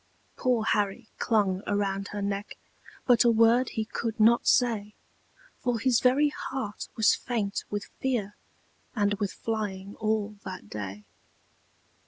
Poor Harry clung around her neck, But a word he could not say, For his very heart was faint with fear, And with flying all that day.